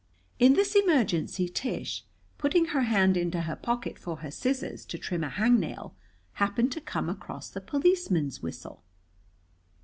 In this emergency Tish, putting her hand into her pocket for her scissors to trim a hangnail, happened to come across the policeman's whistle.